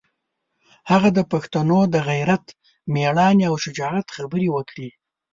هغه د پښتنو د غیرت، مېړانې او شجاعت خبرې وکړې.